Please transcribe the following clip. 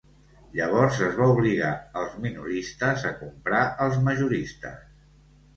Llavors es va obligar els minoristes a comprar als majoristes.